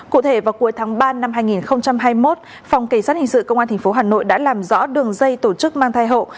cụ thể vào cuối tháng ba năm hai nghìn hai mươi một phòng cảnh sát hình sự công an tp hà nội đã làm rõ đường dây tổ chức mang thai hộ